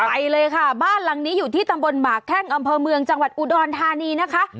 ไปเลยค่ะบ้านหลังนี้อยู่ที่ตำบลหมากแข้งอำเภอเมืองจังหวัดอุดรธานีนะคะ